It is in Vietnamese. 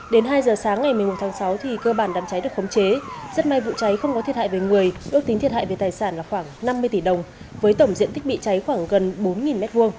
đến hai giờ sáng ngày một mươi một tháng sáu thì cơ bản đám cháy được khống chế rất may vụ cháy không có thiệt hại về người ước tính thiệt hại về tài sản là khoảng năm mươi tỷ đồng với tổng diện tích bị cháy khoảng gần bốn m hai